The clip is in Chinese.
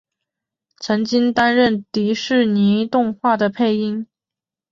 曾经担任迪士尼动画的配音。